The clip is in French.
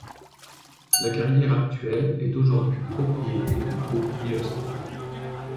La carrière actuelle est aujourd'hui propriété du groupe Lhoist.